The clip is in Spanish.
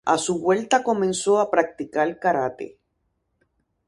A su vuelta comenzó a practicar Karate.